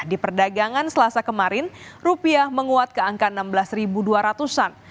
di perdagangan selasa kemarin rupiah menguat ke angka enam belas dua ratus an